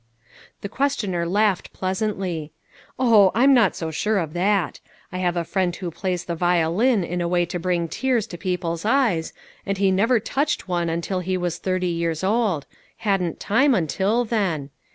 The questioner laughed pleasantly. " Oh, I'm not so sure of that. I have a friend who plays the violin in a way to bring tears to people's eyes, and he never touched one until he was thirty years old ; hadn't time until then.